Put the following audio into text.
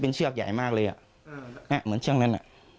เป็นเชือกใหญ่มากเลยแม่เหมือนเชือกนั้น